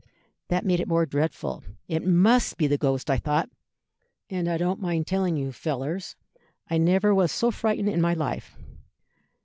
That made it more dreadful. 'It must be the ghost,' I thought; and I don't mind telling you, fellers, I never was so frightened in my life.